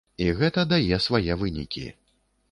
І гэта дае свае вынікі.